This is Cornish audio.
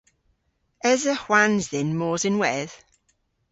Esa hwans dhyn mos ynwedh?